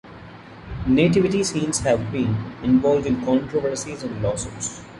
Nativity scenes have been involved in controversies and lawsuits.